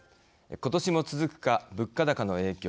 今年も続くか物価高の影響。